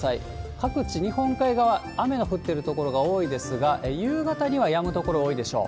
各地日本海側、雨降ってる所が多いですが、夕方にはやむ所多いでしょう。